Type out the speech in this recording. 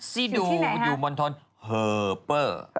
ซิดูอยู่บนทนเฮอเปอร์